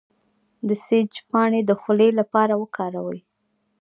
د سیج پاڼې د خولې لپاره وکاروئ